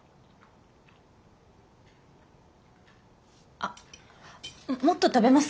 あっもっと食べます？